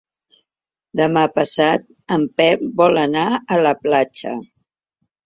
Demà passat en Pep vol anar a la platja.